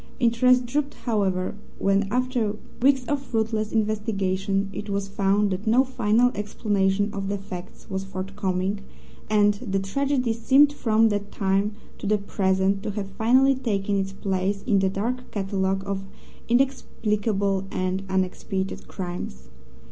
Interest drooped, however, when, after weeks of fruitless investigation, it was found that no final explanation of the facts was forthcoming, and the tragedy seemed from that time to the present to have finally taken its place in the dark catalogue of inexplicable and unexpiated crimes.